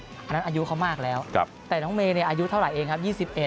อันนั้นอายุเขามากแล้วแต่น้องเมย์อายุเท่าไหร่เองครับ